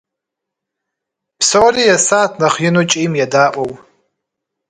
Псори есат нэхъ ину кӀийм едаӀуэу.